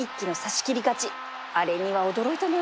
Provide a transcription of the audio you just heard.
あれには驚いたな